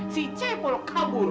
si cebol kabur